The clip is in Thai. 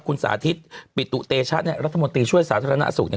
คุณสาธิตปิตุเตชะเนี่ยรัฐมนตรีช่วยสาธารณสุขเนี่ย